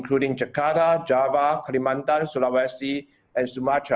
contohnya termasuk jakarta java kalimantan sulawesi dan sumatera